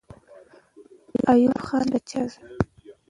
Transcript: ایوب خان د چا زوی وو؟